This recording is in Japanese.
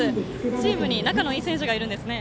チームに仲のいい選手がいるんですよね。